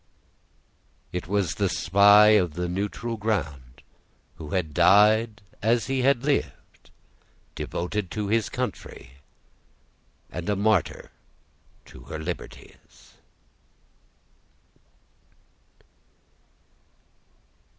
It was the SPY OF THE NEUTRAL GROUND, who died as he had lived, devoted to his country, and a martyr to her liberties.